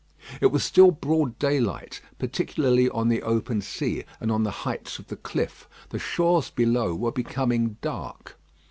It was still broad daylight, particularly on the open sea, and on the heights of the cliff. The shores below were becoming dark.